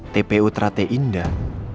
tpu trate indah